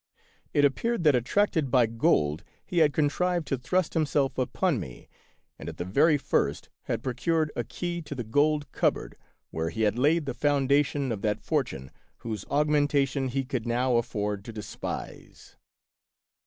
It appeared that, attracted by gold, he had contrived to thrust himself upon me, and at the very first had pro cured a key to the gold cupboard, where he had laid the foundation of that fortune whose aug mentation he could now afford to despise.